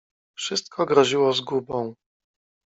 Wszystko groziło zgubą.